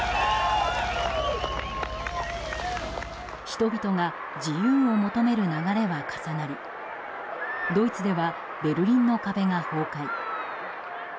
人々が自由を求める流れは重なりドイツではベルリンの壁が崩壊。